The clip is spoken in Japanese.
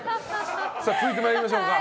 続いて参りましょうか。